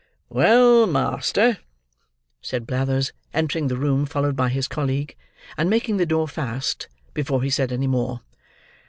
"Well, master," said Blathers, entering the room followed by his colleague, and making the door fast, before he said any more.